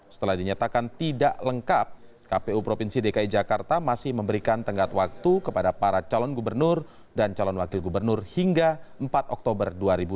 setelah dinyatakan tidak lengkap kpu provinsi dki jakarta masih memberikan tenggat waktu kepada para calon gubernur dan calon wakil gubernur hingga empat oktober dua ribu dua puluh